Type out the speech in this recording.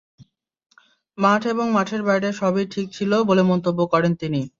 মাঠ এবং মাঠের বাইরে সবই ঠিক ছিল বলে মন্তব্য করেন তিনি।